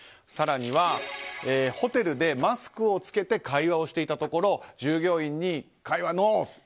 更には、ホテルでマスクを着けて会話をしていたところ、従業員に会話、ノー！